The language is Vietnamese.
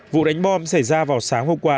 vụ đánh bom xảy ra vào sáng hôm qua